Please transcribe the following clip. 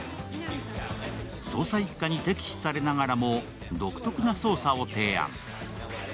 捜査一課に敵視されながらも独特な捜査を提案。